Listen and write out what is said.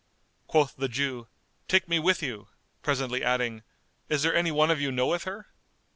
Quoth the Jew, "Take me with you," presently adding, "Is there any one of you knoweth her?"